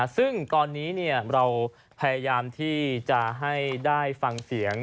ซึ่งตอนนี้เราพยายามที่จะให้ได้ฟังเสียง